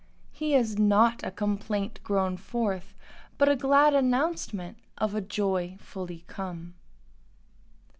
His is not a complaint groaned forth, but a glad announcement of joy fully come.